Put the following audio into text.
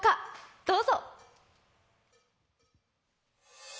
どうぞ！